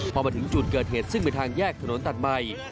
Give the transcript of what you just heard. พอมาถึงจุดเกิดเหตุซึ่งเป็นทางแยกถนนตัดใหม่